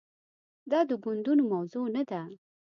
دا د ګوندونو موضوع نه ده.